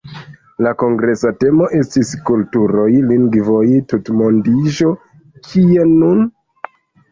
La kongresa temo estis “Kulturoj, lingvoj, tutmondiĝo: Kien nun?”.